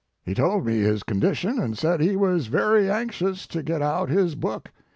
He told me his condition and said he was very anxious to get out his book.